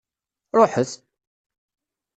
Ṛuḥet!